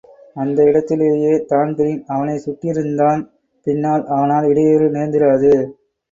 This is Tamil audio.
அந்த இடத்திலேயே தான்பிரீன் அவனைச்சுட்டிருந்தான், பின்னால் அவனால் இடையூறு நேர்ந்திராது.